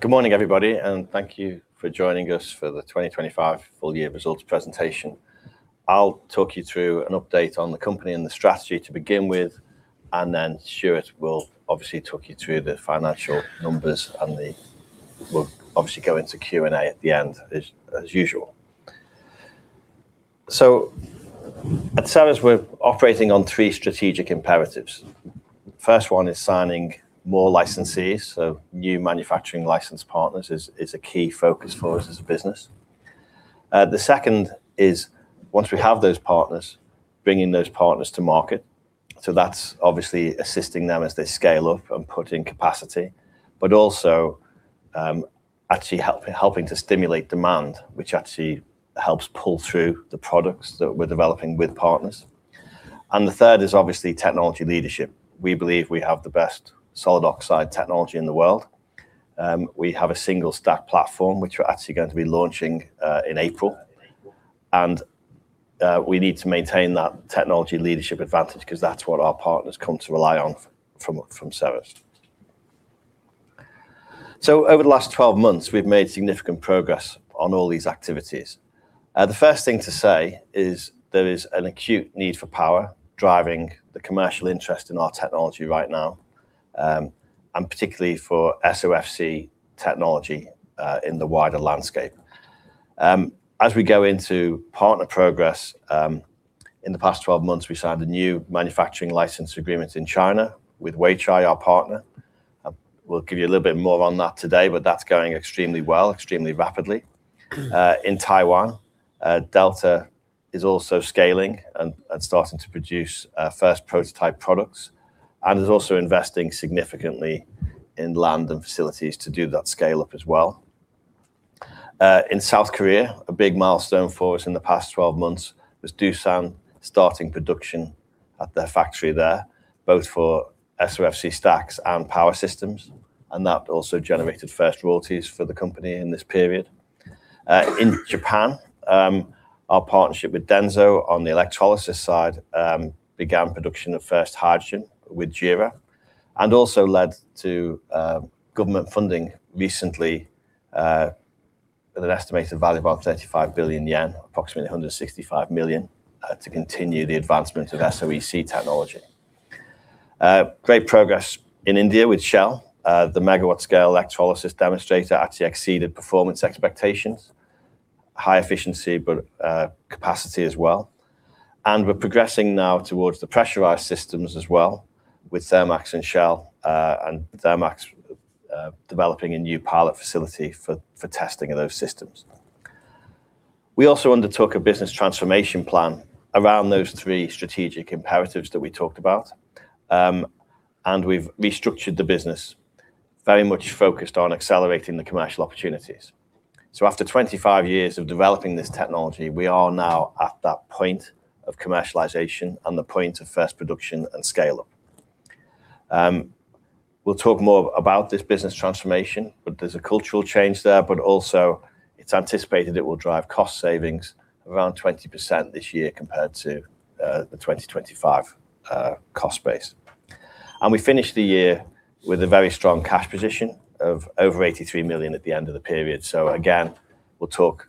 Good morning, everybody, and thank you for joining us for the 2025 full year results presentation. I'll talk you through an update on the company and the strategy to begin with, and then Stuart will obviously talk you through the financial numbers, and then we'll obviously go into Q&A at the end as usual. At Ceres, we're operating on three strategic imperatives. First one is signing more licensees. New manufacturing license partners is a key focus for us as a business. The second is once we have those partners, bringing those partners to market. That's obviously assisting them as they scale up and put in capacity, but also actually helping to stimulate demand, which actually helps pull through the products that we're developing with partners. The third is obviously technology leadership. We believe we have the best solid oxide technology in the world. We have a single stack platform, which we're actually going to be launching in April. We need to maintain that technology leadership advantage 'cause that's what our partners come to rely on from Ceres. Over the last 12 months, we've made significant progress on all these activities. The first thing to say is there is an acute need for power driving the commercial interest in our technology right now, and particularly for SOFC technology, in the wider landscape. As we go into partner progress, in the past 12 months, we signed a new manufacturing license agreement in China with Weichai, our partner. We'll give you a little bit more on that today, but that's going extremely well, extremely rapidly. In Taiwan, Delta is also scaling and starting to produce first prototype products and is also investing significantly in land and facilities to do that scale up as well. In South Korea, a big milestone for us in the past 12 months was Doosan starting production at their factory there, both for SOFC stacks and power systems, and that also generated first royalties for the company in this period. In Japan, our partnership with Denso on the electrolysis side began production of first hydrogen with JERA and also led to government funding recently with an estimated value of approximately 35 billion yen, approximately 165 million to continue the advancement of SOEC technology. Great progress in India with Shell. The megawatt scale electrolysis demonstrator actually exceeded performance expectations, high efficiency, but capacity as well. We're progressing now towards the pressurized systems as well with Thermax and Shell developing a new pilot facility for testing of those systems. We also undertook a business transformation plan around those three strategic imperatives that we talked about. We've restructured the business very much focused on accelerating the commercial opportunities. After 25 years of developing this technology, we are now at that point of commercialization and the point of first production and scale-up. We'll talk more about this business transformation, but there's a cultural change there, but also it's anticipated it will drive cost savings around 20% this year compared to the 2025 cost base. We finished the year with a very strong cash position of over 83 million at the end of the period. Again, we'll talk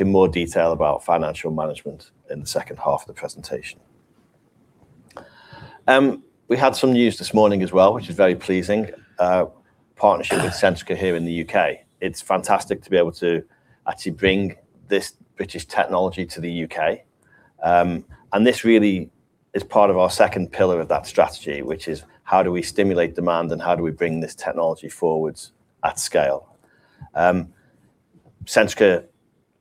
in more detail about financial management in the H2 of the presentation. We had some news this morning as well, which is very pleasing. Partnership with Centrica here in the U.K. It's fantastic to be able to actually bring this British technology to the U.K. This really is part of our second pillar of that strategy, which is how do we stimulate demand and how do we bring this technology forwards at scale. Centrica,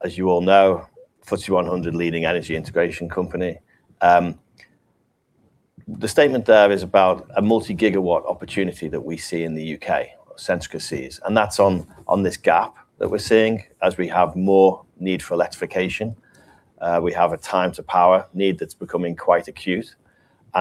as you all know, FTSE 100 leading energy integration company. The statement there is about a multi-gigawatt opportunity that we see in the U.K., or Centrica sees, and that's on this gap that we're seeing as we have more need for electrification. We have a time to power need that's becoming quite acute.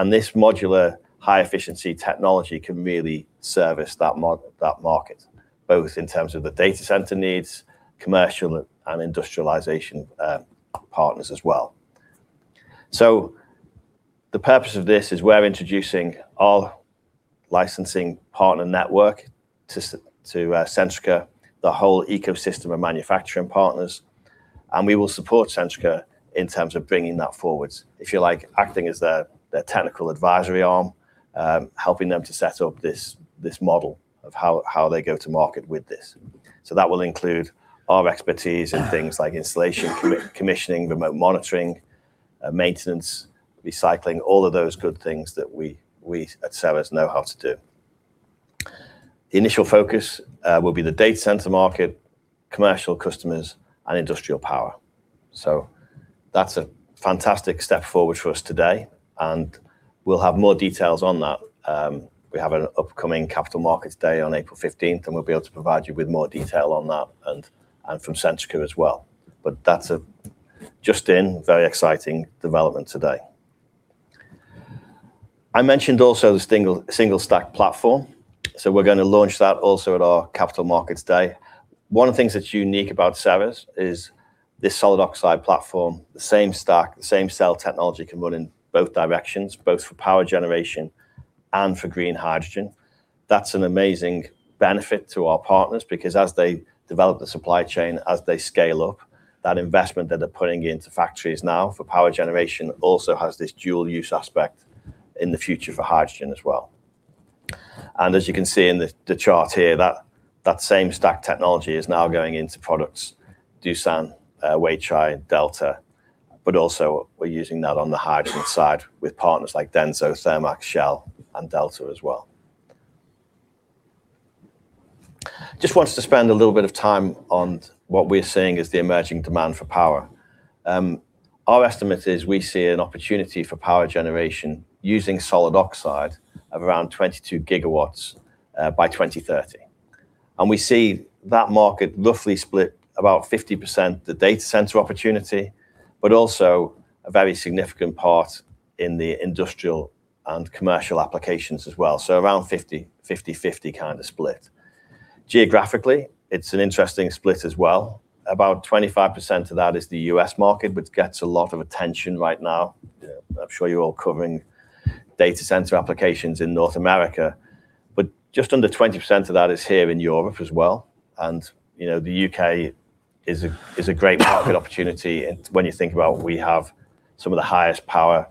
This modular high efficiency technology can really service that market, both in terms of the data center needs, commercial and industrialization, partners as well. The purpose of this is we're introducing our licensing partner network to Centrica, the whole ecosystem of manufacturing partners, and we will support Centrica in terms of bringing that forward. If you like, acting as their technical advisory arm, helping them to set up this model of how they go to market with this. That will include our expertise in things like installation, commissioning, remote monitoring, maintenance, recycling, all of those good things that we at Ceres know how to do. The initial focus will be the data center market, commercial customers and industrial power. That's a fantastic step forward for us today, and we'll have more details on that. We have an upcoming Capital Markets Day on April 15, and we'll be able to provide you with more detail on that and from Centrica as well. That's just a very exciting development today. I mentioned the single stack platform. We're gonna launch that also at our Capital Markets Day. One of the things that's unique about Ceres is this solid oxide platform, the same stack, the same cell technology can run in both directions, both for power generation and for green hydrogen. That's an amazing benefit to our partners because as they develop the supply chain, as they scale up, that investment that they're putting into factories now for power generation also has this dual use aspect in the future for hydrogen as well. As you can see in the chart here, that same stack technology is now going into products, Doosan, Weichai, Delta, but also we're using that on the hydrogen side with partners like Denso, Thermax, Shell and Delta as well. Just wanted to spend a little bit of time on what we're seeing as the emerging demand for power. Our estimate is we see an opportunity for power generation using solid oxide of around 22 GW by 2030. We see that market roughly split about 50% the data center opportunity, but also a very significant part in the industrial and commercial applications as well. Around 50/50 kind of split. Geographically, it's an interesting split as well. About 25% of that is the U.S. market, which gets a lot of attention right now. I'm sure you're all covering data center applications in North America, but just under 20% of that is here in Europe as well. You know, the U.K. is a great market opportunity when you think about we have some of the highest power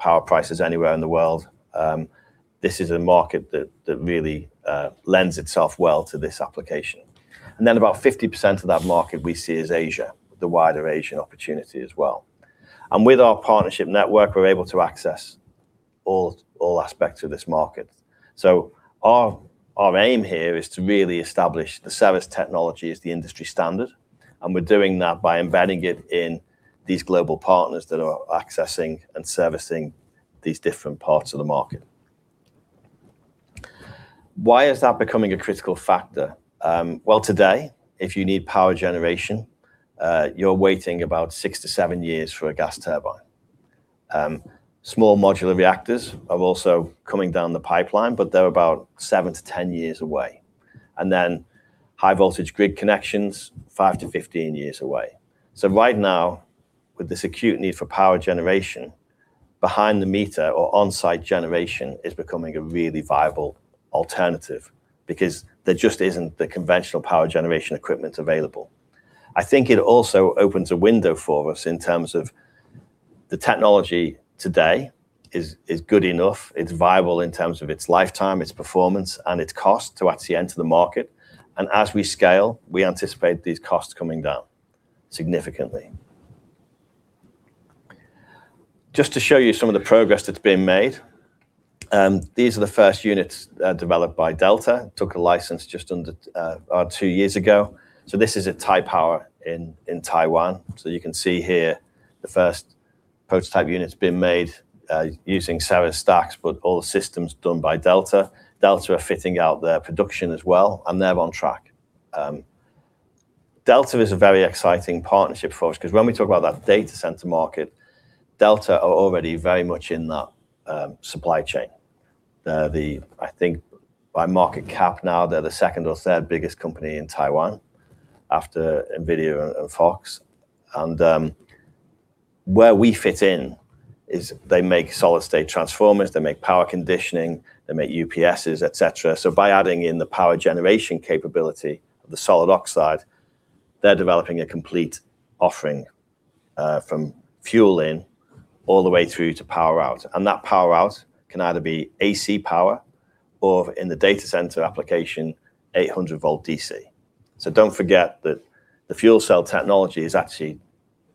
prices anywhere in the world. This is a market that really lends itself well to this application. About 50% of that market we see is Asia, the wider Asian opportunity as well. With our partnership network, we're able to access all aspects of this market. Our aim here is to really establish the Ceres technology as the industry standard, and we're doing that by embedding it in these global partners that are accessing and servicing these different parts of the market. Why is that becoming a critical factor? Well, today, if you need power generation, you're waiting about six years-seven years for a gas turbine. Small Modular Reactors are also coming down the pipeline, but they're about seven years-10 years away. High voltage grid connections, five years-15 years away. Right now, with this acute need for power generation, behind the meter or on-site generation is becoming a really viable alternative because there just isn't the conventional power generation equipment available. I think it also opens a window for us in terms of the technology today is good enough. It's viable in terms of its lifetime, its performance, and its cost to actually enter the market. As we scale, we anticipate these costs coming down significantly. Just to show you some of the progress that's been made, these are the first units developed by Delta. Took a license just under two years ago. This is at Taipower in Taiwan. You can see here the first prototype unit's been made using Ceres stacks, but all the systems done by Delta. Delta are fitting out their production as well, and they're on track. Delta is a very exciting partnership for us because when we talk about that data center market, Delta are already very much in that supply chain. They're the, I think by market cap now, they're the second or third biggest company in Taiwan after NVIDIA and Foxconn. Where we fit in is they make solid-state transformers, they make power conditioning, they make UPSs, et cetera. By adding in the power generation capability of the solid oxide, they're developing a complete offering from fuel in all the way through to power out. That power out can either be AC power or, in the data center application, 800-volt DC. Don't forget that the fuel cell technology is actually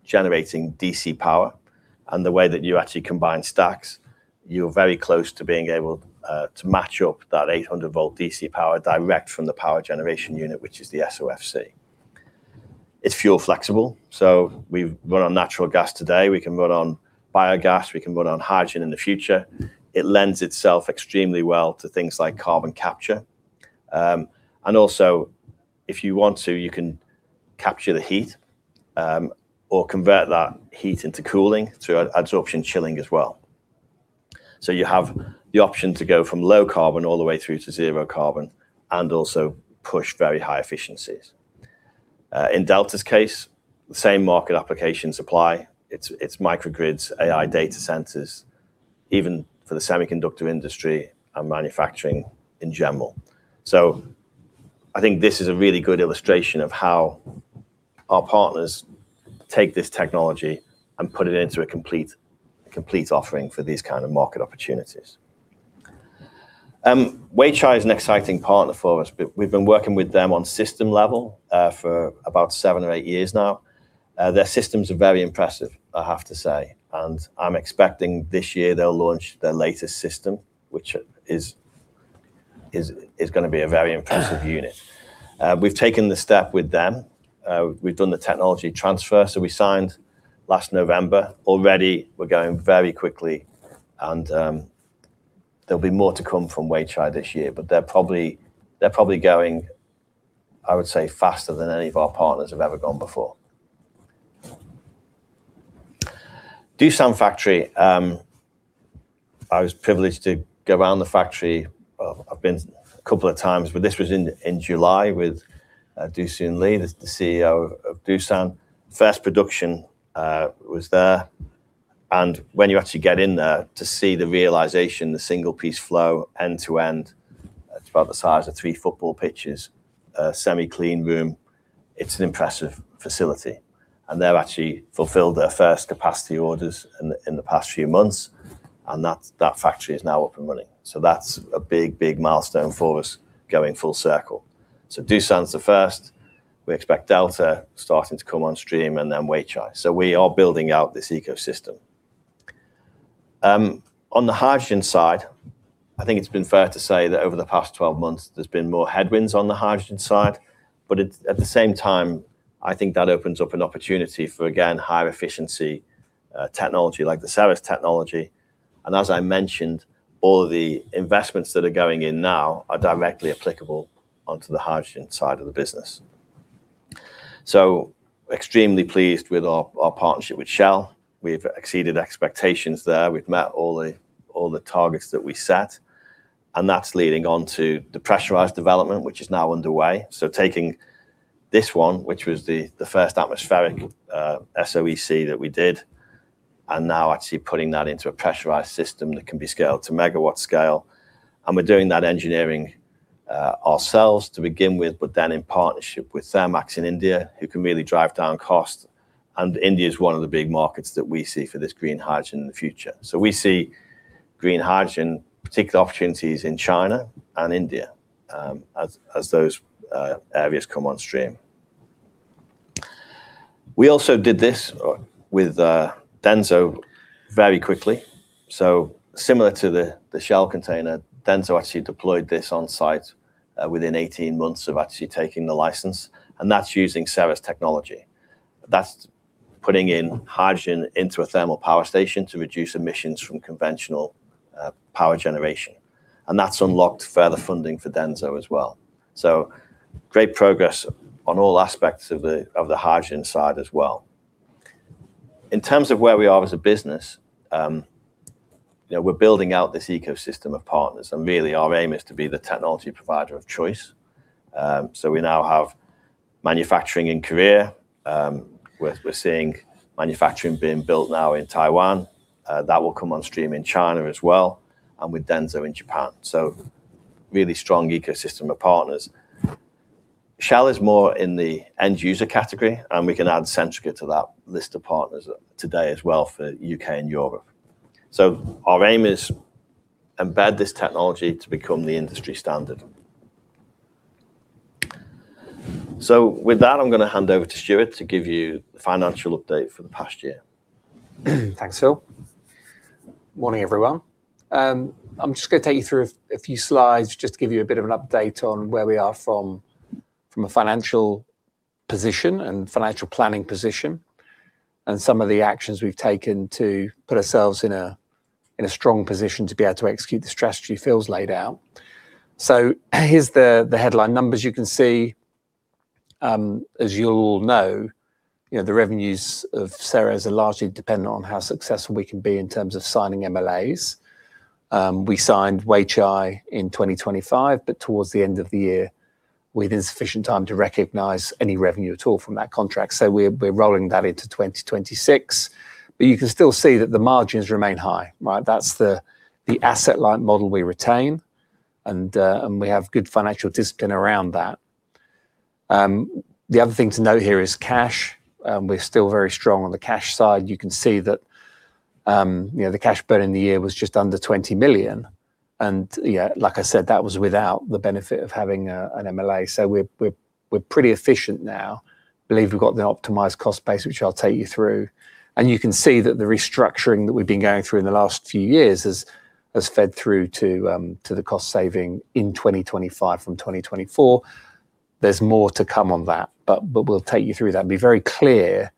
generating DC power. The way that you actually combine stacks, you're very close to being able to match up that 800-volt DC power direct from the power generation unit, which is the SOFC. It's fuel flexible. We run on natural gas today. We can run on biogas. We can run on hydrogen in the future. It lends itself extremely well to things like carbon capture. And also if you want to, you can capture the heat or convert that heat into cooling through absorption chilling as well. You have the option to go from low carbon all the way through to zero carbon and also push very high efficiencies. In Delta's case, the same market applications apply. It's microgrids, AI data centers, even for the semiconductor industry and manufacturing in general. I think this is a really good illustration of how our partners take this technology and put it into a complete offering for these kind of market opportunities. Weichai is an exciting partner for us. We've been working with them on system level for about seven years or eight years now. Their systems are very impressive, I have to say. I'm expecting this year they'll launch their latest system, which is gonna be a very impressive unit. We've taken the step with them. We've done the technology transfer. We signed last November. Already we're going very quickly and there'll be more to come from Weichai this year, but they're probably going, I would say, faster than any of our partners have ever gone before. Doosan factory, I was privileged to go around the factory. I've been a couple of times, but this was in July with Doo Soon Lee, the CEO of Doosan. First production was there. When you actually get in there to see the realization, the single piece flow end to end, it's about the size of three football pitches, a semi-clean room. It's an impressive facility. They've actually fulfilled their first capacity orders in the past few months, and that factory is now up and running. That's a big milestone for us going full circle. Doosan's the first. We expect Delta starting to come on stream and then Weichai. We are building out this ecosystem. On the hydrogen side, I think it's been fair to say that over the past 12 months there's been more headwinds on the hydrogen side. At the same time, I think that opens up an opportunity for, again, higher efficiency technology like the Ceres technology. As I mentioned, all the investments that are going in now are directly applicable onto the hydrogen side of the business. Extremely pleased with our partnership with Shell. We've exceeded expectations there. We've met all the targets that we set, and that's leading on to the pressurized development, which is now underway. Taking this one, which was the first atmospheric SOEC that we did, and now actually putting that into a pressurized system that can be scaled to megawatt scale, and we're doing that engineering ourselves to begin with. In partnership with Thermax in India, who can really drive down cost, and India is one of the big markets that we see for this green hydrogen in the future. We see green hydrogen, particularly opportunities in China and India, as those areas come on stream. We also did this with Denso very quickly. Similar to the Shell container, Denso actually deployed this on site within 18 months of actually taking the license, and that's using Ceres technology. That's putting in hydrogen into a thermal power station to reduce emissions from conventional power generation. That's unlocked further funding for Denso as well. Great progress on all aspects of the hydrogen side as well. In terms of where we are as a business, you know, we're building out this ecosystem of partners, and really our aim is to be the technology provider of choice. We now have manufacturing in Korea. We're seeing manufacturing being built now in Taiwan, that will come on stream in China as well, and with Denso in Japan. Really strong ecosystem of partners. Shell is more in the end user category, and we can add Centrica to that list of partners today as well for U.K. and Europe. Our aim is to embed this technology to become the industry standard. With that, I'm gonna hand over to Stuart to give you the financial update for the past year. Thanks, Phil. Morning, everyone. I'm just gonna take you through a few slides just to give you a bit of an update on where we are from a financial position and financial planning position, and some of the actions we've taken to put ourselves in a strong position to be able to execute the strategy Phil's laid out. Here's the headline numbers you can see. As you'll know, you know, the revenues of Ceres are largely dependent on how successful we can be in terms of signing MLAs. We signed Weichai in 2025, but towards the end of the year, with insufficient time to recognize any revenue at all from that contract. We're rolling that into 2026. You can still see that the margins remain high, right? That's the asset-light model we retain and we have good financial discipline around that. The other thing to note here is cash. We're still very strong on the cash side. You can see that, you know, the cash burn in the year was just under 20 million and yeah, like I said, that was without the benefit of having an MLA. We're pretty efficient now. We believe we've got the optimized cost base, which I'll take you through. You can see that the restructuring that we've been going through in the last few years has fed through to the cost saving in 2025 from 2024. There's more to come on that, but we'll take you through that and be very clear.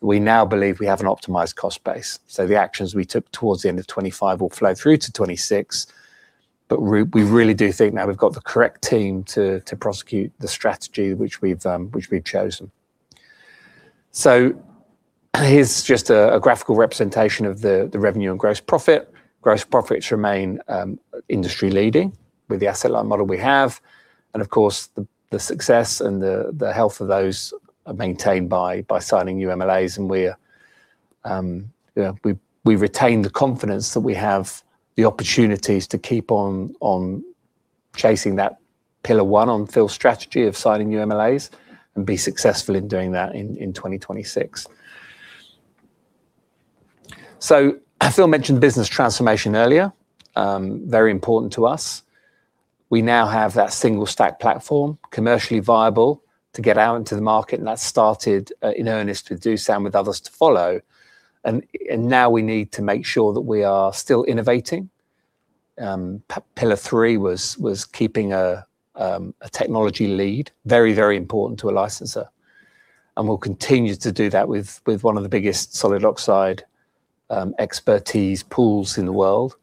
We now believe we have an optimized cost base. The actions we took towards the end of 2025 will flow through to 2026. We really do think now we've got the correct team to prosecute the strategy which we've chosen. Here's just a graphical representation of the revenue and gross profit. Gross profits remain industry-leading with the asset-light model we have. Of course, the success and the health of those are maintained by signing new MLAs. We're, you know, we retain the confidence that we have the opportunities to keep on chasing that pillar one on Phil's strategy of signing new MLAs and be successful in doing that in 2026. Phil mentioned business transformation earlier. Very important to us. We now have that single stack platform commercially viable to get out into the market, and that started in earnest with Doosan with others to follow. Now we need to make sure that we are still innovating. Pillar three was keeping a technology lead very, very important to a licenser, and we'll continue to do that with one of the biggest solid oxide expertise pools in the world.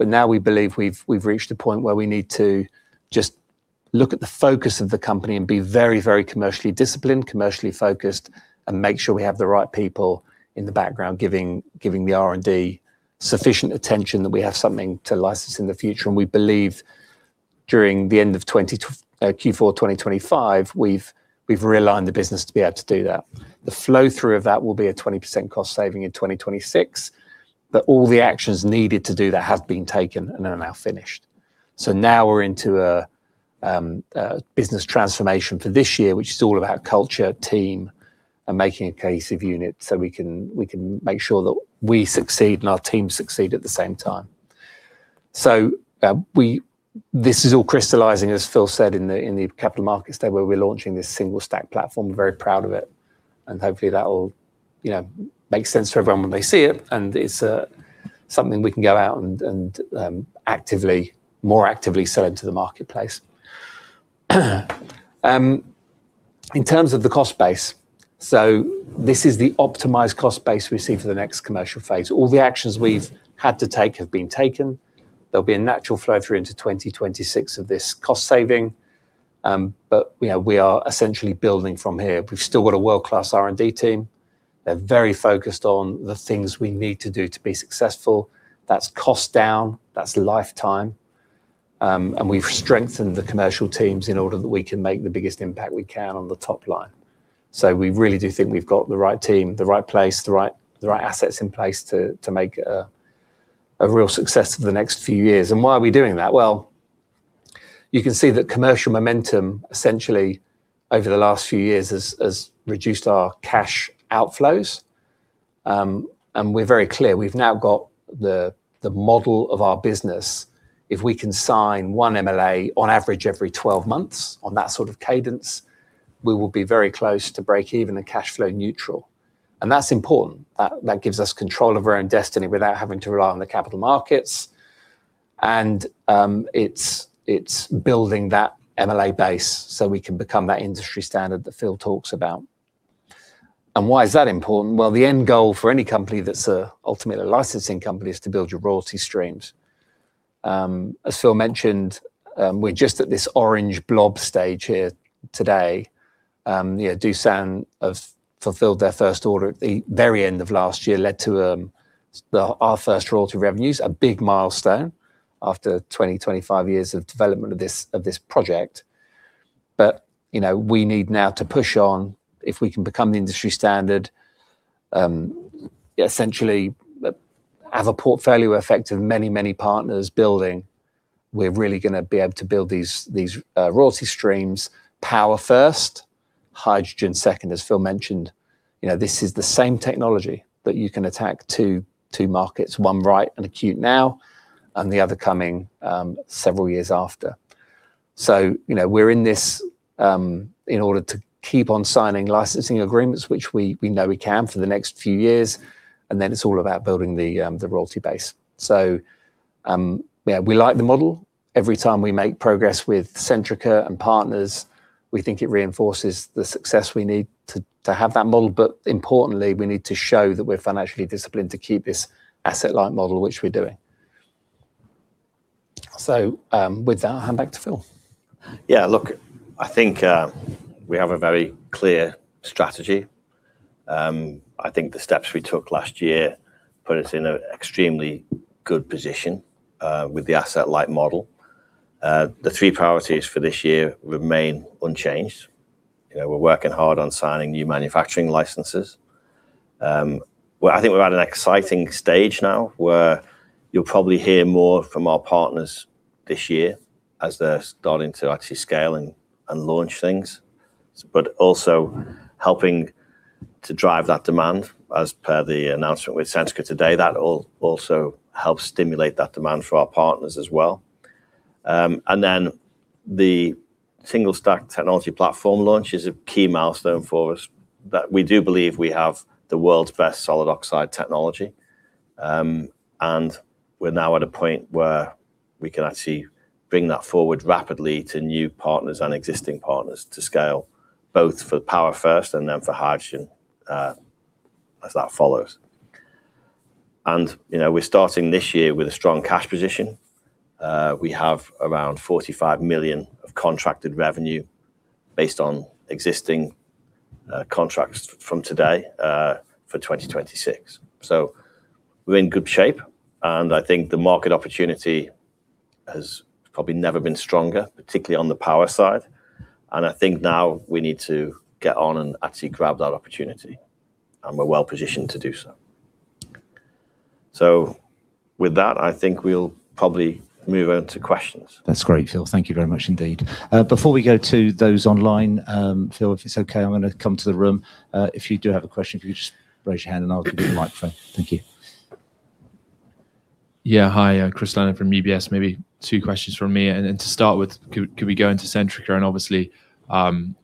Now we believe we've reached a point where we need to just look at the focus of the company and be very, very commercially disciplined, commercially focused, and make sure we have the right people in the background giving the R&D sufficient attention that we have something to license in the future. We believe during the end of Q4 2025, we've realigned the business to be able to do that. The flow through of that will be a 20% cost saving in 2026, but all the actions needed to do that have been taken and are now finished. Now we're into a business transformation for this year, which is all about culture, team, and making a cohesive unit so we can make sure that we succeed and our team succeed at the same time. This is all crystallizing, as Phil said in the Capital Markets Day, where we're launching this single stack platform. We're very proud of it, and hopefully that will make sense for everyone when they see it, and it's something we can go out and more actively sell into the marketplace. In terms of the cost base, this is the optimized cost base we see for the next commercial phase. All the actions we've had to take have been taken. There'll be a natural flow through into 2026 of this cost saving, we are essentially building from here. We've still got a world-class R&D team. They're very focused on the things we need to do to be successful. That's cost down, that's lifetime, and we've strengthened the commercial teams in order that we can make the biggest impact we can on the top line. We really do think we've got the right team, the right place, the right assets in place to make a real success for the next few years. Why are we doing that? Well, you can see that commercial momentum essentially over the last few years has reduced our cash outflows, and we're very clear. We've now got the model of our business. If we can sign one MLA on average every 12 months on that sort of cadence, we will be very close to breakeven and cash flow neutral. That's important. That gives us control of our own destiny without having to rely on the capital markets. It's building that MLA base so we can become that industry standard that Phil talks about. Why is that important? Well, the end goal for any company that's ultimately a licensing company is to build your royalty streams. As Phil mentioned, we're just at this orange blob stage here today. You know, Doosan have fulfilled their first order at the very end of last year, led to our first royalty revenues, a big milestone after 20 years,25 years of development of this project. You know, we need now to push on if we can become the industry standard, essentially have a portfolio effect of many partners building. We're really gonna be able to build these royalty streams, power first, hydrogen second. As Phil mentioned, you know, this is the same technology that you can attack two markets, one right and acute now, and the other coming several years after. You know, we're in this in order to keep on signing licensing agreements, which we know we can for the next few years, and then it's all about building the royalty base. Yeah, we like the model. Every time we make progress with Centrica and partners, we think it reinforces the success we need to have that model. Importantly, we need to show that we're financially disciplined to keep this asset-light model, which we're doing. With that, I'll hand back to Phil. Yeah, look, I think we have a very clear strategy. I think the steps we took last year put us in a extremely good position with the asset-light model. The three priorities for this year remain unchanged. You know, we're working hard on signing new manufacturing licenses. Well, I think we're at an exciting stage now where you'll probably hear more from our partners this year as they're starting to actually scale and launch things, but also helping to drive that demand as per the announcement with Senska today. That will also help stimulate that demand for our partners as well. The single stack technology platform launch is a key milestone for us that we do believe we have the world's best solid oxide technology, and we're now at a point where we can actually bring that forward rapidly to new partners and existing partners to scale both for power first and then for hydrogen, as that follows. You know, we're starting this year with a strong cash position. We have around 45 million of contracted revenue based on existing contracts from today for 2026. We're in good shape, and I think the market opportunity has probably never been stronger, particularly on the power side. I think now we need to get on and actually grab that opportunity, and we're well-positioned to do so. With that, I think we'll probably move on to questions. That's great, Phil. Thank you very much indeed. Before we go to those online, Phil, if it's okay, I'm gonna come to the room. If you do have a question, if you just raise your hand and I'll give you the microphone. Thank you. Hi, Chris Leonard from UBS. Maybe two questions from me. To start with, could we go into Centrica? Obviously,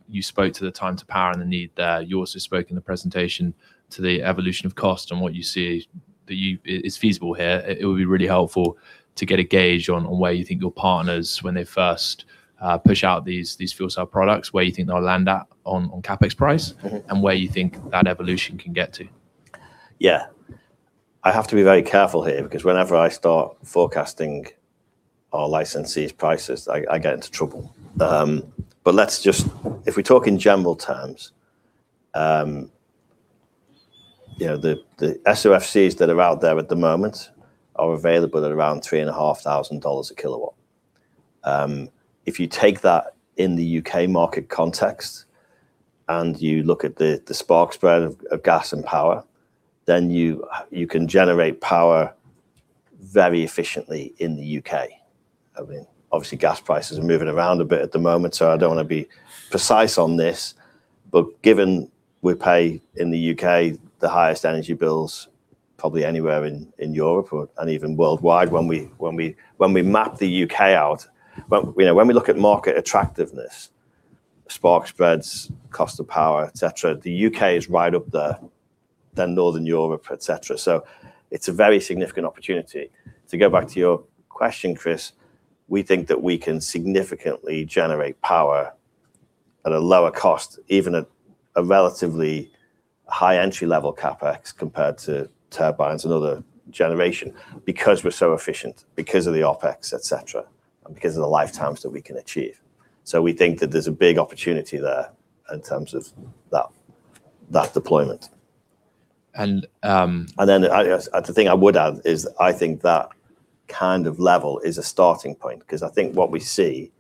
you spoke to the time to power and the need there. You also spoke in the presentation to the evolution of cost and what you see that it's feasible here. It would be really helpful to get a gauge on where you think your partners when they first push out these fuel cell products, where you think they'll land at on CapEx price. Mm-hmm. Where you think that evolution can get to? I have to be very careful here because whenever I start forecasting our licensees prices, I get into trouble. If we talk in general terms, you know, the SOFCs that are out there at the moment are available at around $3,500 a kW. If you take that in the U.K. market context, and you look at the spark spread of gas and power, then you can generate power very efficiently in the U.K. I mean, obviously gas prices are moving around a bit at the moment, so I don't wanna be precise on this. Given we pay in the U.K. the highest energy bills probably anywhere in Europe and even worldwide, when we map the U.K. out, you know, when we look at market attractiveness, spark spreads, cost of power, et cetera, the U.K. is right up there, then Northern Europe, et cetera. It's a very significant opportunity. To go back to your question, Chris, we think that we can significantly generate power at a lower cost, even at a relatively high entry level CapEx compared to turbines and other generation because we're so efficient, because of the OpEx, et cetera, and because of the lifetimes that we can achieve. We think that there's a big opportunity there in terms of that deployment. And, um- The thing I would add is I think that kind of level is a starting point. 'Cause I think what we see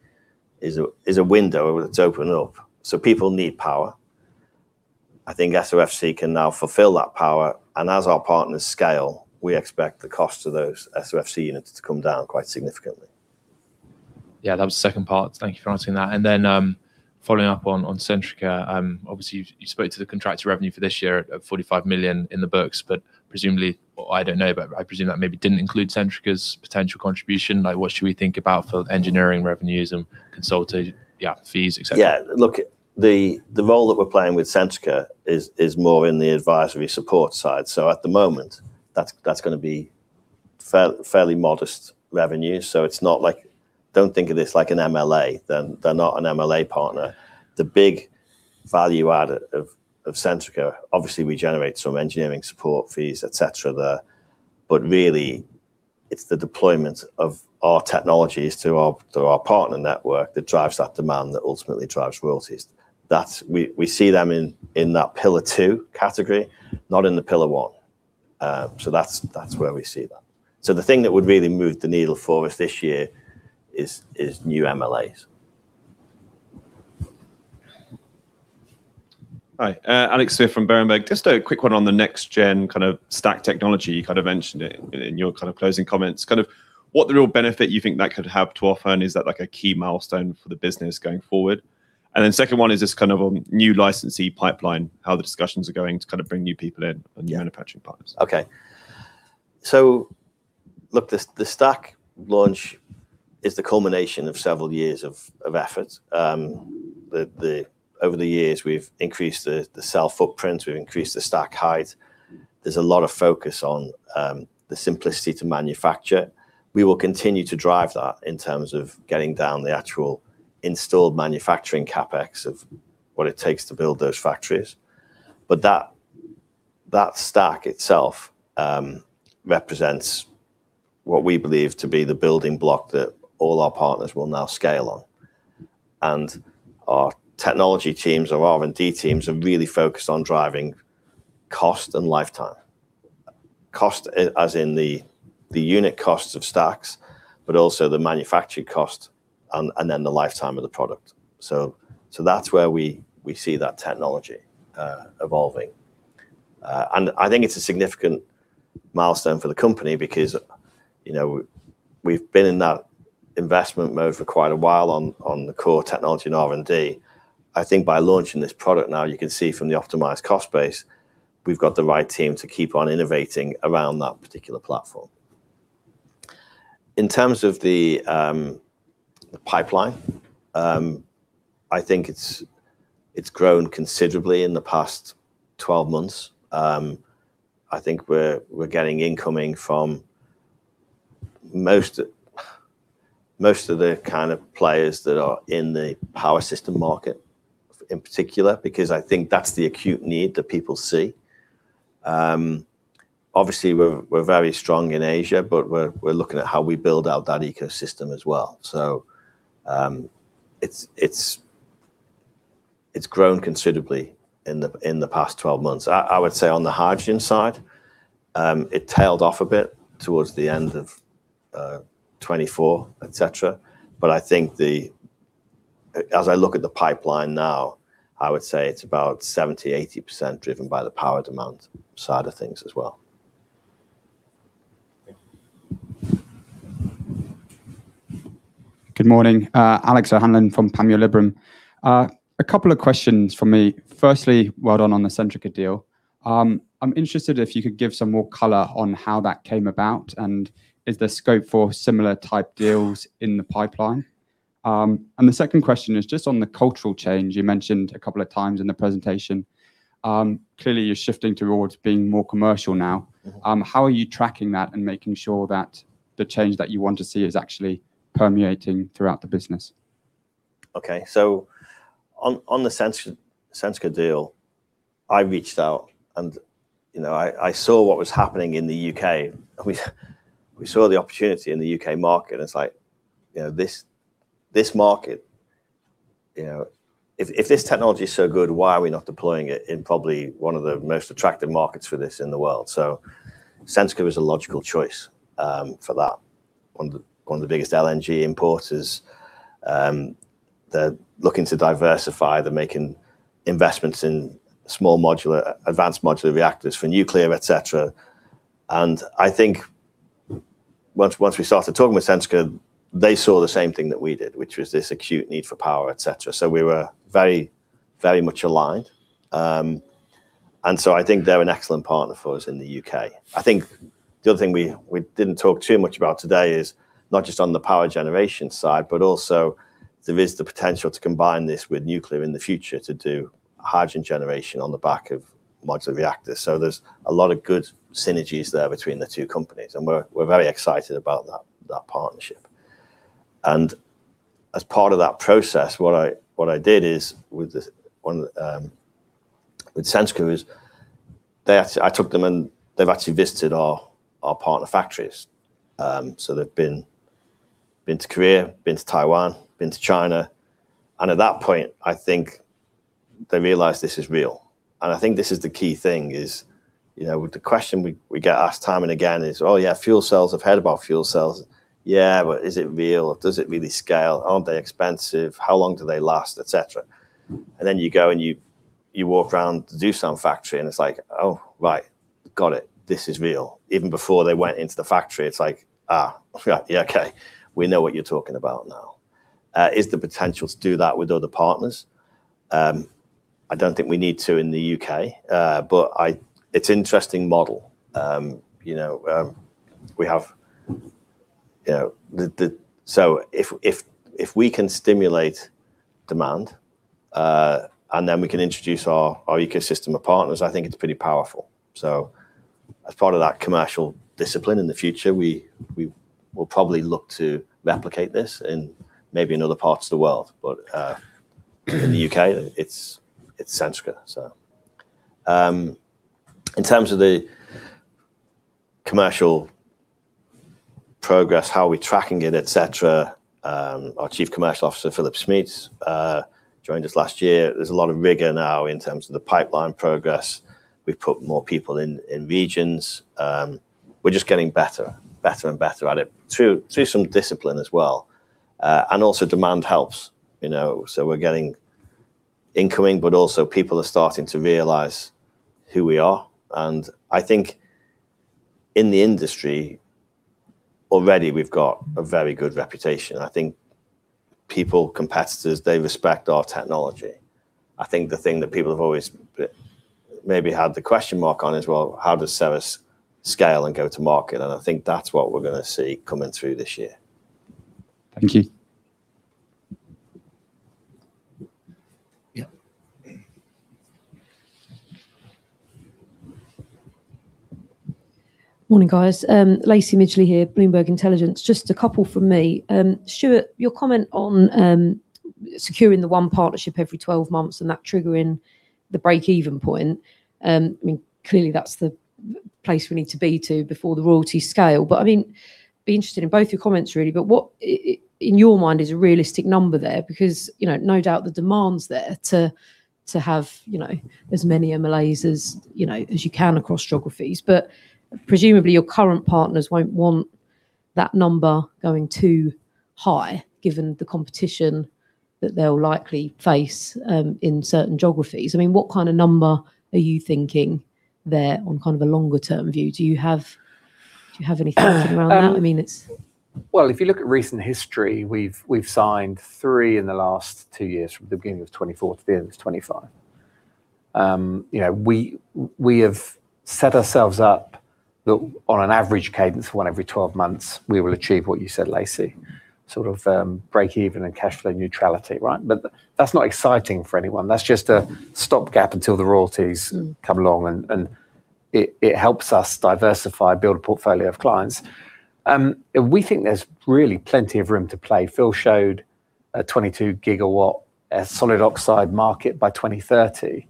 is a window that's opened up. People need power. I think SOFC can now fulfill that power, and as our partners scale, we expect the cost of those SOFC units to come down quite significantly. Yeah, that was the second part. Thank you for answering that. Following up on Centrica, obviously you spoke to the contractor revenue for this year at 45 million in the books, but presumably, or I don't know, but I presume that maybe didn't include Centrica's potential contribution. Like, what should we think about for engineering revenues and consultation, yeah, fees, et cetera? Yeah. Look, the role that we're playing with Centrica is more in the advisory support side. At the moment, that's gonna be fairly modest revenue. It's not like... Don't think of this like an MLA. They're not an MLA partner. The big value add of Centrica, obviously we generate some engineering support fees, et cetera, there. Really, it's the deployment of our technologies through our partner network that drives that demand that ultimately drives royalties. That's—we see them in that pillar two category, not in the pillar one. That's where we see that. The thing that would really move the needle for us this year is new MLAs. Hi. Alex Smith from Berenberg. Just a quick one on the next-gen kind of stack technology. You kind of mentioned it in your kind of closing comments. Kind of what the real benefit you think that could have to our firm, is that like a key milestone for the business going forward? And then second one is just kind of on new licensee pipeline, how the discussions are going to kind of bring new people in- Yeah. on manufacturing partners. Okay. Look, the stack launch is the culmination of several years of efforts. Over the years, we've increased the cell footprint, we've increased the stack height. There's a lot of focus on the simplicity to manufacture. We will continue to drive that in terms of getting down the actual installed manufacturing CapEx of what it takes to build those factories. But that stack itself represents what we believe to be the building block that all our partners will now scale on. Our technology teams, our R&D teams are really focused on driving cost and lifetime. Cost as in the unit costs of stacks, but also the manufacturing cost and then the lifetime of the product. That's where we see that technology evolving. I think it's a significant milestone for the company because, you know, we've been in that investment mode for quite a while on the core technology and R&D. I think by launching this product now, you can see from the optimized cost base, we've got the right team to keep on innovating around that particular platform. In terms of the pipeline, I think it's grown considerably in the past 12 months. I think we're getting incoming from most of the kind of players that are in the power system market in particular, because I think that's the acute need that people see. Obviously we're very strong in Asia, but we're looking at how we build out that ecosystem as well. It's grown considerably in the past 12 months. I would say on the hydrogen side, it tailed off a bit towards the end of 2024, et cetera. I think as I look at the pipeline now, I would say it's about 70%-80% driven by the power demand side of things as well. Thank you. Good morning. Alex O'Hanlon from Panmure Liberum. A couple of questions from me. Firstly, well done on the Centrica deal. I'm interested if you could give some more color on how that came about, and is there scope for similar type deals in the pipeline? The second question is just on the cultural change you mentioned a couple of times in the presentation. Clearly you're shifting towards being more commercial now. Mm-hmm. How are you tracking that and making sure that the change that you want to see is actually permeating throughout the business? Okay. On the Centrica deal, I reached out and, you know, I saw what was happening in the U.K. and we saw the opportunity in the U.K. market and it's like, you know, this market, you know, if this technology is so good, why are we not deploying it in probably one of the most attractive markets for this in the world? Centrica was a logical choice for that. One of the biggest LNG importers, they're looking to diversify, they're making investments in Small Modular Reactors, Advanced Modular Reactors for nuclear, et cetera. I think once we started talking with Centrica, they saw the same thing that we did, which was this acute need for power, et cetera. We were very much aligned. I think they're an excellent partner for us in the U.K.. I think the other thing we didn't talk too much about today is not just on the power generation side, but also there is the potential to combine this with nuclear in the future to do hydrogen generation on the back of modular reactors. There's a lot of good synergies there between the two companies, and we're very excited about that partnership. As part of that process, what I did is with this one, with Centrica is they actually I took them and they've actually visited our partner factories. They've been to Korea, been to Taiwan, been to China. At that point, I think they realized this is real. I think this is the key thing is, you know, the question we get asked time and again is, "Oh yeah, fuel cells. I've heard about fuel cells. Yeah, but is it real? Does it really scale? Aren't they expensive? How long do they last?" Et cetera. Then you go and you walk around to Doosan factory and it's like, "Oh, right. Got it. This is real." Even before they went into the factory, it's like, "Ah, yeah. Okay. We know what you're talking about now." Is the potential to do that with other partners? I don't think we need to in the U.K.. But it's interesting model. You know, we have, you know, the... If we can stimulate demand, and then we can introduce our ecosystem of partners, I think it's pretty powerful. As part of that commercial discipline in the future, we will probably look to replicate this in maybe other parts of the world. In the U.K., it's Centrica. In terms of the commercial progress, how we're tracking it, et cetera, our Chief Commercial Officer, Filip Smeets, joined us last year. There's a lot of rigor now in terms of the pipeline progress. We've put more people in regions. We're just getting better and better at it through some discipline as well. Also demand helps, you know, so we're getting incoming, but also people are starting to realize who we are, and I think in the industry already we've got a very good reputation. I think people, competitors, they respect our technology. I think the thing that people have always maybe had the question mark on is, well, how does Ceres scale and go to market? I think that's what we're gonna see coming through this year. Thank you. Yeah. Morning, guys. Lacey Midgley here, Bloomberg Intelligence. Just a couple from me. Stuart, your comment on securing the one partnership every 12 months and that triggering the break-even point. I mean, clearly that's the place we need to be before the royalties scale. I'd be interested in both your comments really, but what in your mind is a realistic number there? Because, you know, no doubt the demand's there to have, you know, as many MLAs as, you know, as you can across geographies. Presumably your current partners won't want that number going too high given the competition that they'll likely face in certain geographies. I mean, what kind of number are you thinking there on kind of a longer term view? Do you have any thought around that? I mean, it's Well, if you look at recent history, we've signed three in the last two years from the beginning of 2024 to the end of 2025. You know, we have set ourselves up that on an average cadence one every 12 months, we will achieve what you said, Lacey, sort of, break even and cash flow neutrality, right? But that's not exciting for anyone. That's just a stopgap until the royalties come along and it helps us diversify, build a portfolio of clients. We think there's really plenty of room to play. Phil showed a 22 GW solid oxide market by 2030.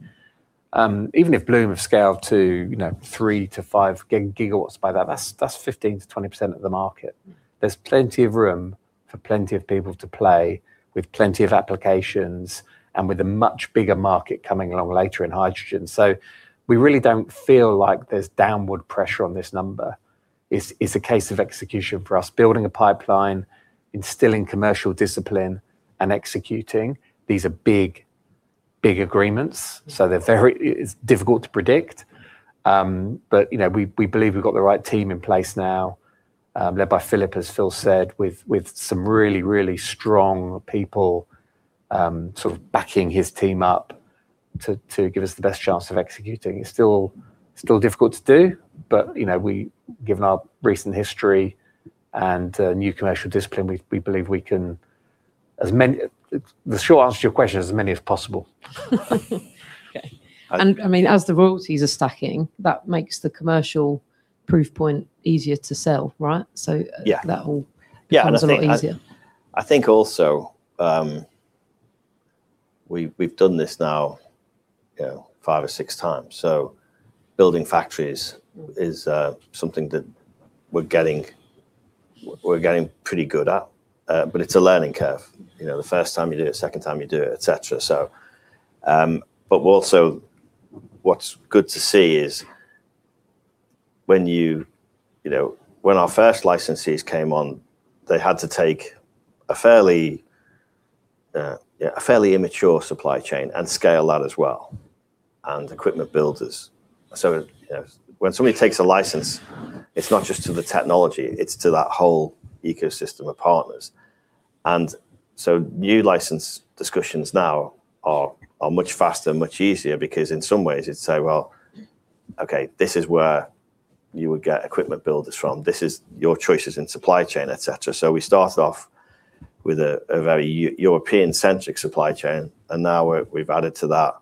Even if Bloom have scaled to, you know, 3 GW-5 GW by that's 15%-20% of the market. There's plenty of room for plenty of people to play with plenty of applications and with a much bigger market coming along later in hydrogen. We really don't feel like there's downward pressure on this number. It's a case of execution for us, building a pipeline, instilling commercial discipline and executing. These are big agreements, so they're very difficult to predict. But you know, we believe we've got the right team in place now, led by Filip, as Phil said, with some really strong people sort of backing his team up to give us the best chance of executing. It's still difficult to do, but you know, given our recent history and new commercial discipline, we believe we can. The short answer to your question is as many as possible. Okay. I mean, as the royalties are stacking, that makes the commercial Proof point easier to sell, right? Yeah that all becomes a lot easier. Yeah, I think also we've done this now, you know, five times or six times. Building factories is something that we're getting pretty good at, but it's a learning curve. You know, the first time you do it, second time you do it, et cetera. We're also, what's good to see is when you know, when our first licensees came on, they had to take a fairly immature supply chain and scale that as well, and equipment builders. You know, when somebody takes a license, it's not just to the technology, it's to that whole ecosystem of partners. New license discussions now are much faster and much easier because in some ways it's, say, well, okay, this is where you would get equipment builders from. This is your choices in supply chain, et cetera. We start off with a very European-centric supply chain, and now we've added to that,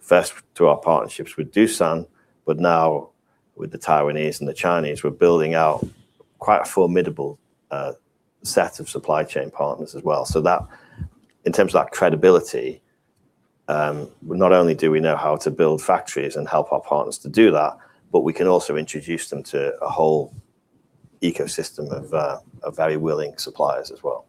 first to our partnerships with Doosan, but now with the Taiwanese and the Chinese, we're building out quite a formidable set of supply chain partners as well. That in terms of that credibility, not only do we know how to build factories and help our partners to do that, but we can also introduce them to a whole ecosystem of very willing suppliers as well.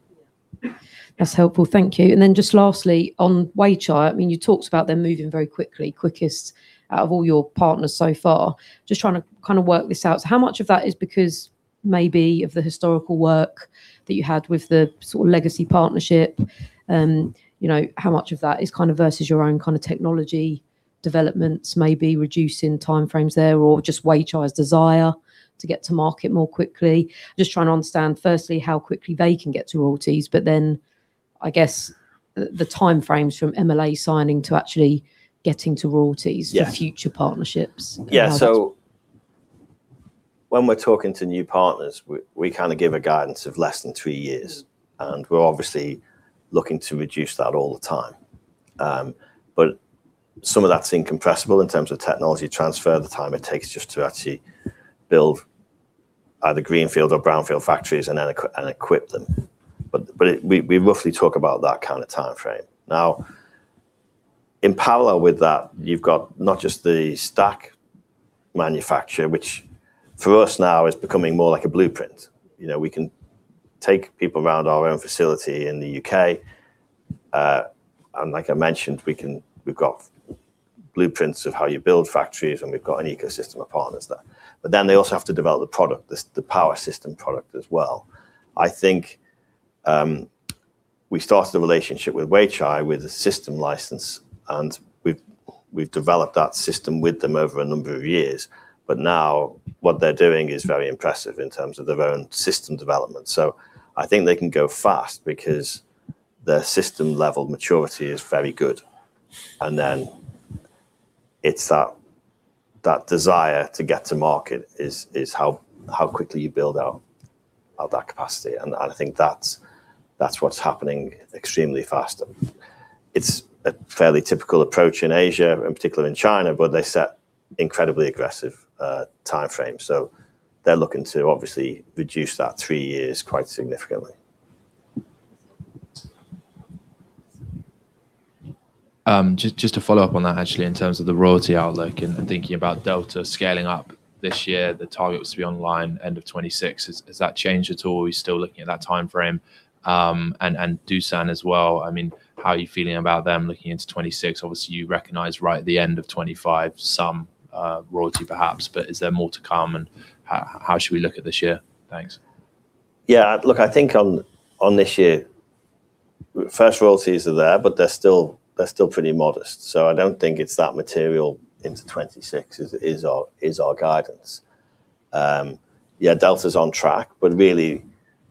Yeah. That's helpful. Thank you. Just lastly, on Weichai, I mean, you talked about them moving very quickly, quickest out of all your partners so far. Just trying to kind of work this out. How much of that is because maybe of the historical work that you had with the sort of legacy partnership, you know, how much of that is kind of versus your own kind of technology developments, maybe reducing timeframes there, or just Weichai's desire to get to market more quickly? Just trying to understand firstly how quickly they can get to royalties, but then I guess the timeframes from MLA signing to actually getting to royalties? Yeah for future partnerships and how that. Yeah. When we're talking to new partners, we kind of give a guidance of less than three years, and we're obviously looking to reduce that all the time. Some of that's incompressible in terms of technology transfer, the time it takes just to actually build either greenfield or brownfield factories and then equip them. We roughly talk about that kind of timeframe. Now, in parallel with that, you've got not just the stack manufacture, which for us now is becoming more like a blueprint. You know, we can take people around our own facility in the U.K., and like I mentioned, we can, we've got blueprints of how you build factories and we've got an ecosystem of partners there. Then they also have to develop the product, the power system product as well. I think we started the relationship with Weichai with a system license, and we've developed that system with them over a number of years. Now what they're doing is very impressive in terms of their own system development. I think they can go fast because their system level maturity is very good. It's that desire to get to market is how quickly you build out that capacity. I think that's what's happening extremely fast. It's a fairly typical approach in Asia, and particularly in China, where they set incredibly aggressive timeframes. They're looking to obviously reduce that three years quite significantly. Just to follow up on that actually, in terms of the royalty outlook and thinking about Delta scaling up this year, the target was to be online end of 2026. Has that changed at all? Are you still looking at that timeframe? Doosan as well, I mean, how are you feeling about them looking into 2026? Obviously you recognize right at the end of 2025 some royalty perhaps, but is there more to come and how should we look at this year? Thanks. Yeah, look, I think on this year first royalties are there, but they're still pretty modest, so I don't think it's that material into 2026 is our guidance. Yeah, Delta's on track, but really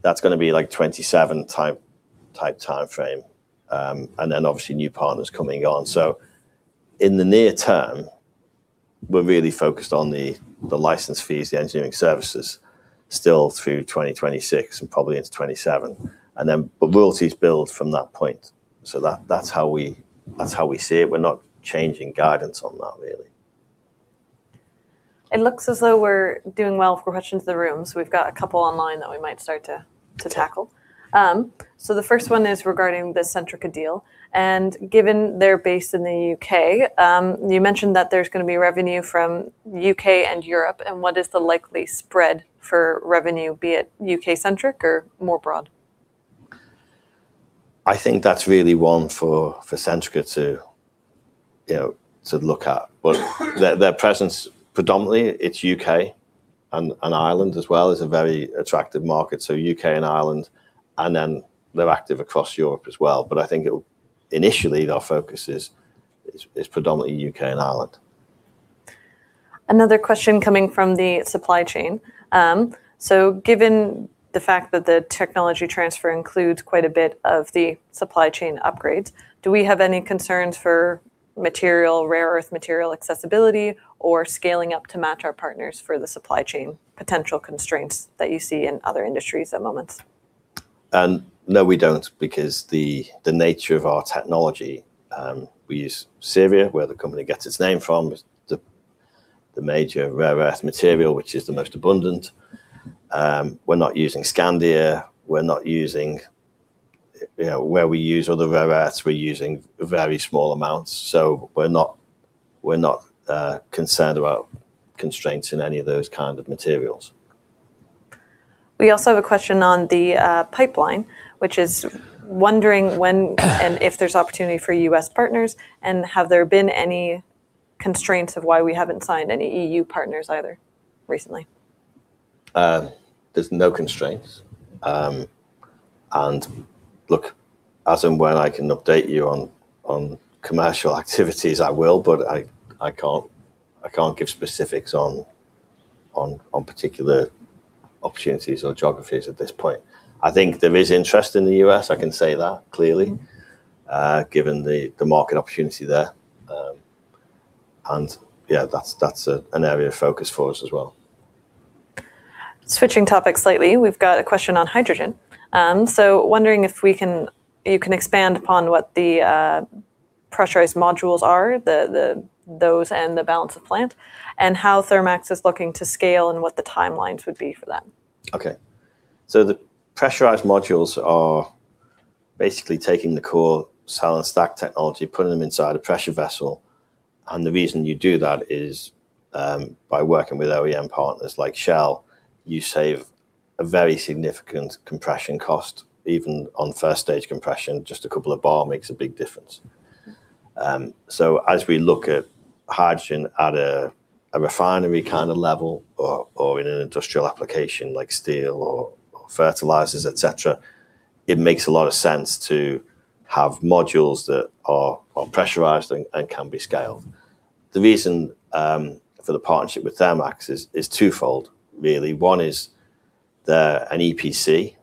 that's gonna be like 2027 type timeframe. And then obviously new partners coming on. In the near term we're really focused on the license fees, the engineering services still through 2026 and probably into 2027. Royalties build from that point. That's how we see it. We're not changing guidance on that really. It looks as though we're doing well for questions in the room. We've got a couple online that we might start to tackle. The first one is regarding the Centrica deal, and given they're based in the U.K., you mentioned that there's gonna be revenue from U.K. and Europe, and what is the likely spread for revenue, be it U.K. centric or more broad? I think that's really one for Centrica, you know, to look at. Their presence predominantly in U.K. and Ireland as well is a very attractive market. U.K. and Ireland, and then they're active across Europe as well. I think it will. Initially, their focus is predominantly U.K. and Ireland. Another question coming from the supply chain. Given the fact that the technology transfer includes quite a bit of the supply chain upgrades, do we have any concerns for material, rare earth material accessibility or scaling up to match our partners for the supply chain potential constraints that you see in other industries at the moment? No, we don't because the nature of our technology, we use Ceria, where the company gets its name from. The major rare earth material, which is the most abundant. We're not using Scandia, we're not using. You know, where we use other rare earths, we're using very small amounts, so we're not concerned about constraints in any of those kind of materials. We also have a question on the pipeline, which is wondering when and if there's opportunity for US partners, and have there been any constraints of why we haven't signed any EU partners either recently? There's no constraints. Look, as and when I can update you on commercial activities, I will, but I can't give specifics on particular opportunities or geographies at this point. I think there is interest in the U.S., I can say that clearly, given the market opportunity there. Yeah, that's an area of focus for us as well. Switching topics slightly. We've got a question on hydrogen. Wondering if you can expand upon what the pressurized modules are, those and the balance of plant, and how Thermax is looking to scale and what the timelines would be for that. Okay. The pressurized modules are basically taking the core solid stack technology, putting them inside a pressure vessel, and the reason you do that is, by working with OEM partners like Shell, you save a very significant compression cost. Even on first stage compression, just a couple of bar makes a big difference. As we look at hydrogen at a refinery kind of level or in an industrial application like steel or fertilizers, et cetera, it makes a lot of sense to have modules that are pressurized and can be scaled. The reason for the partnership with Thermax is two-fold really. One is they're an EPC,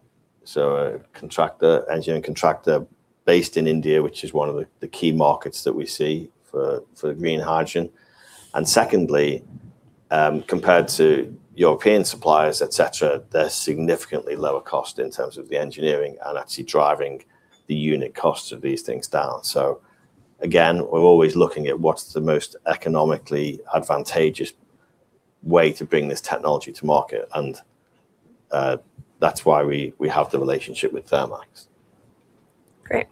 so a contractor, engineering contractor based in India, which is one of the key markets that we see for green hydrogen. Secondly, compared to European suppliers, et cetera, they're significantly lower cost in terms of the engineering and actually driving the unit cost of these things down. Again, we're always looking at what's the most economically advantageous way to bring this technology to market and, that's why we have the relationship with Thermax. Great.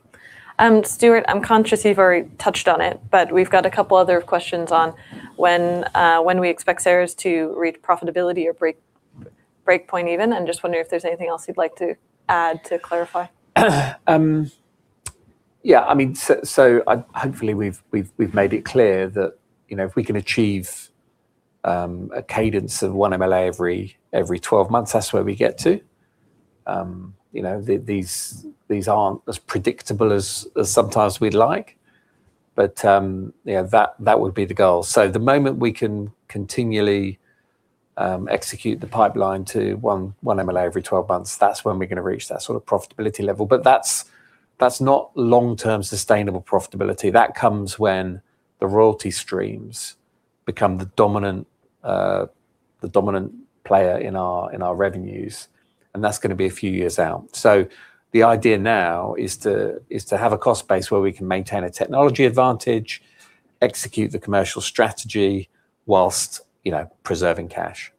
Stuart, I'm conscious you've already touched on it, but we've got a couple of other questions on when we expect Ceres to reach profitability or break-even point, and just wondering if there's anything else you'd like to add to clarify. Yeah, I mean, I hopefully we've made it clear that, you know, if we can achieve a cadence of one MLA every 12 months, that's where we get to. You know, these aren't as predictable as sometimes we'd like, but you know, that would be the goal. The moment we can continually execute the pipeline to one MLA every 12 months, that's when we're gonna reach that sort of profitability level. That's not long-term sustainable profitability. That comes when the royalty streams become the dominant player in our revenues, and that's gonna be a few years out. The idea now is to have a cost base where we can maintain a technology advantage, execute the commercial strategy while, you know, preserving cash.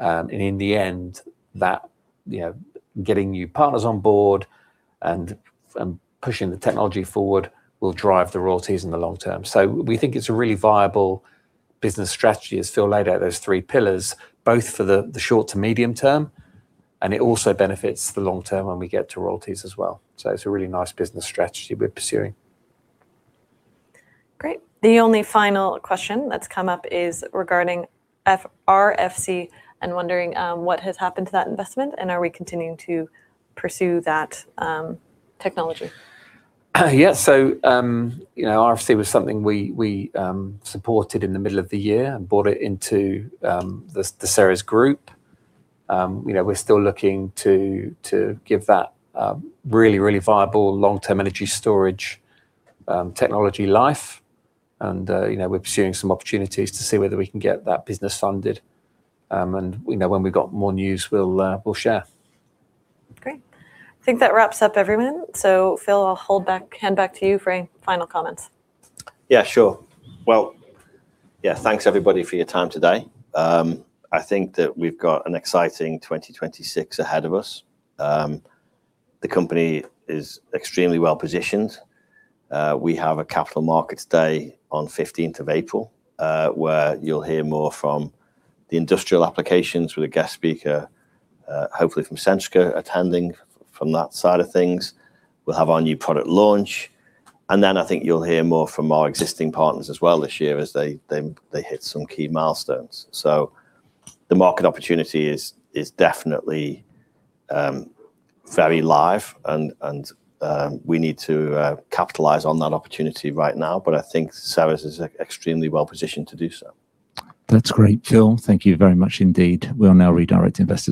In the end that, you know, getting new partners on board and pushing the technology forward will drive the royalties in the long term. We think it's a really viable business strategy, as Phil laid out those three pillars, both for the short to medium term, and it also benefits the long term when we get to royalties as well. It's a really nice business strategy we're pursuing. Great. The only final question that's come up is regarding RFC Power and wondering what has happened to that investment and are we continuing to pursue that technology? Yeah. You know, RFC was something we supported in the middle of the year and brought it into the Ceres group. You know, we're still looking to give that really viable long-term energy storage technology life and you know, we're pursuing some opportunities to see whether we can get that business funded. We know when we've got more news, we'll share. Great. I think that wraps up everyone. Phil, I'll hand it back to you for any final comments. Yeah, sure. Well, yeah, thanks everybody for your time today. I think that we've got an exciting 2026 ahead of us. The company is extremely well positioned. We have a Capital Markets Day on 15 April, where you'll hear more from the industrial applications with a guest speaker, hopefully from Sensco attending from that side of things. We'll have our new product launch, and then I think you'll hear more from our existing partners as well this year as they hit some key milestones. The market opportunity is definitely very live and we need to capitalize on that opportunity right now. I think Ceres is extremely well positioned to do so. That's great, Phil. Thank you very much indeed. We'll now redirect investor-